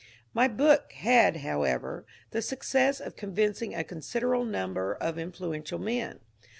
My book had, however, the success of convincing a considerable number of influential men.